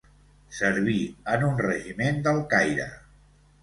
Serví en un regiment del Caire.